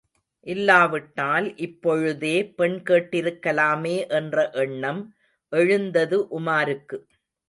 இல்லாவிட்டால், இப்பொழுதே பெண் கேட்டிருக்கலாமே என்ற எண்ணம் எழுந்தது உமாருக்கு.